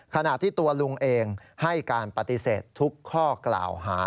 ขณะที่ตัวลุงเองให้การปฏิเสธทุกข้อกล่าวหา